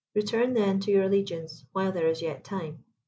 Return, then, to your allegiance, while there is yet time."